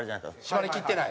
閉まりきってない？